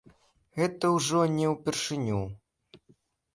Гэта ўжо не ўпершыню.